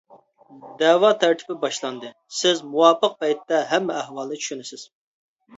دەۋا تەرتىپى باشلاندى، سىز مۇۋاپىق پەيتتە ھەممە ئەھۋالنى چۈشىنىسىز.